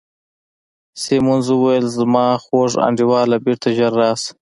سیمونز وویل: زما خوږ انډیواله، بیرته ژر راشه.